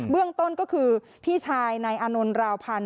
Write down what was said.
เรื่องต้นก็คือพี่ชายนายอานนท์ราวพันธ